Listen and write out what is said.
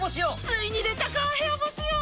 ついに出たか部屋干し用！